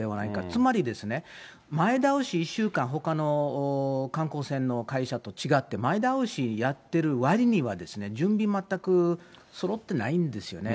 つまり、前倒し１週間、ほかの観光船の会社と違って、前倒しやってるわりには、準備、全くそろってないんですよね。